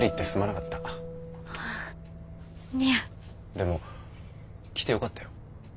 でも来てよかったよ。